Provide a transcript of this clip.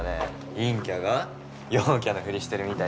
陰キャが陽キャのふりしてるみたいで。